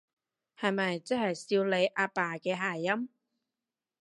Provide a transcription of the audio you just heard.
係咪即係少理阿爸嘅諧音？